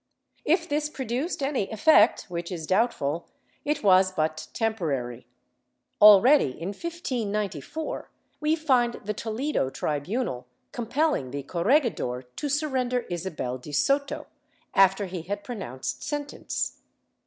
* If this produced any effect, which is doubtful, it was but temporary. Already, in 1594, we find the Toledo tribunal com pelling the corregidor to surrender Isabel de Soto, after he had pronounced sentence.